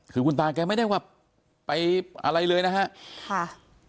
คุณตาแกไม่ได้ไปอะไรเลยนะครับ